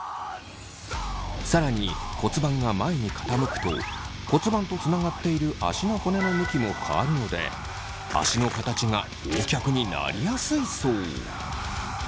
更に骨盤が前に傾くと骨盤とつながっている足の骨の向きも変わるので足の形がＯ脚になりやすいそう。